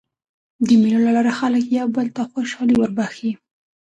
د مېلو له لاري خلک یو بل ته خوشحالي وربخښي.